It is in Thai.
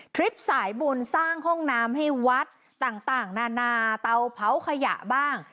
คลิปสายบุญสร้างห้องน้ำให้วัดต่างนานาเตาเผาขยะบ้าง